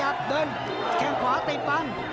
เดินแข้งขวาติดบัง